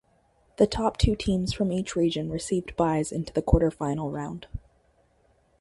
The top two teams from each region received byes into the quarterfinal round.